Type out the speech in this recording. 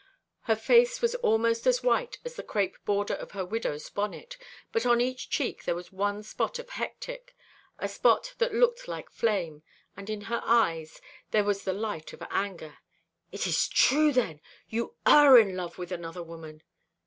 Her face was almost as white as the crape border of her widow's bonnet, but on each cheek there was one spot of hectic a spot that looked like flame and in her eyes, there was the light of anger. "It is true, then! You are in love with another woman!"